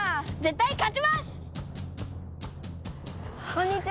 こんにちは。